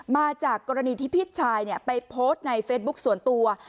มาจากกรณีที่พี่ชายไปโพสต์ในเฟซบุ๊คส่วนตัว